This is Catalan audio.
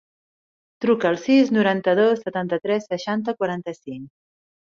Truca al sis, noranta-dos, setanta-tres, seixanta, quaranta-cinc.